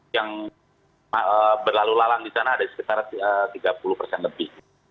yang berlalu lalang di sana ada sekitar tiga puluh persen lebih